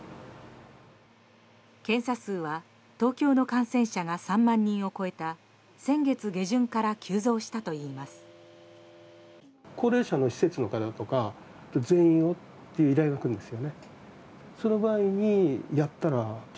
検査数は東京の感染者が３万人を超えた先月下旬から急増したといいます。